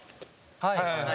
はい。